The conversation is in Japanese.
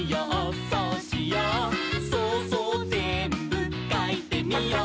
「そうそうぜんぶかいてみよう」